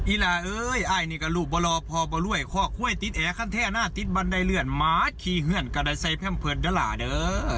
อิลาเอ้ยไอนี่กะลูกบ่รอพ่อบ่ร่วยข้อค่วยติดแอขั้นแท่หน้าติดบันไดเลือดม้าขี่เฮือนกะได้ใส่แพ่มเพิดดลาเด้อ